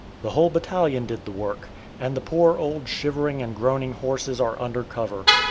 The whole battalion did the work, and the poor old shivering and groaning horses are under cover.